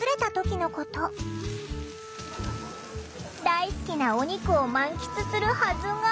大好きなお肉を満喫するはずが。